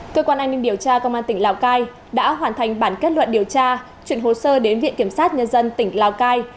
cơ quan an ninh điều tra công an tỉnh lào cai đã hoàn thành bản kết luận điều tra chuyển hồ sơ đến viện kiểm sát nhân dân tỉnh lào cai